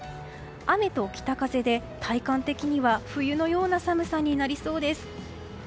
雨と北風で体感的には冬のような寒さになりそうです。